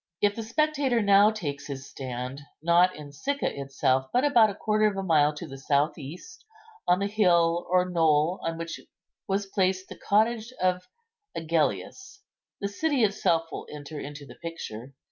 If the spectator now takes his stand, not in Sicca itself, but about a quarter of a mile to the south east, on the hill or knoll on which was placed the cottage of Agellius, the city itself will enter into the picture.